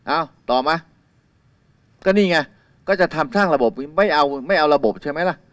อ้าวตอบมาก็นี่ไงก็จะทำช่างระบบไม่เอาระบบใช่ไหมล่ะ